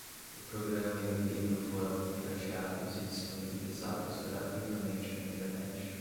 O programa e o livro foram pirateados e disponibilizados gratuitamente na internet